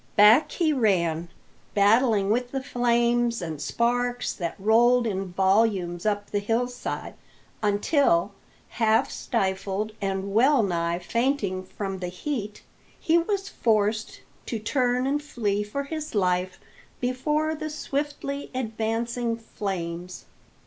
Back he ran, battling with the flames and sparks that rolled in volumes up the hillside, until, half stifled and well nigh fainting from the heat, he was forced to turn and flee for his life before the swiftly advancing flames.